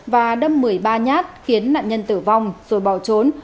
và đâm một mươi ba nhát khiến nạn nhân tử vong rồi bỏ trốn